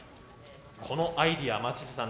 このアイデア松下さん